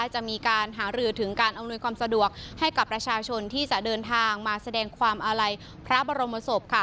จะมีการหารือถึงการอำนวยความสะดวกให้กับประชาชนที่จะเดินทางมาแสดงความอาลัยพระบรมศพ